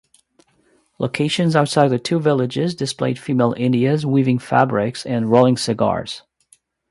Locations outside the two villages displayed female "indias" weaving fabrics and rolling cigars.